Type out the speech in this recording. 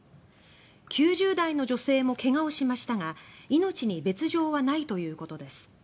９０代の女性も怪我をしましたが命に別状はないということです。